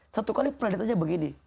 satu kali pernah ditanya begini